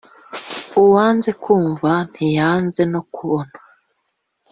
Uwanze kumva ntiyanze no kubona